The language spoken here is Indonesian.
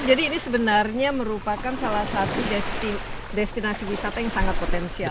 jadi ini sebenarnya merupakan salah satu destinasi wisata yang sangat potensial